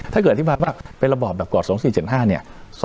ถ้าเกิดอธิบายว่าเป็นระบอบแบบกรอด๒๔๗๕เนี่ย